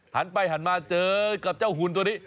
หันไปหันมาเจอกับเจ้าหุ่นตัวนี้